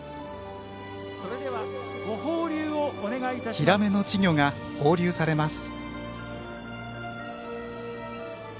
ヒラメの稚魚が放流されます。